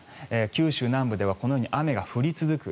九州南部ではこのように雨が降り続く。